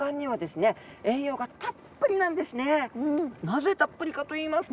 このなぜたっぷりかと言いますと。